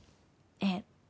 ええ。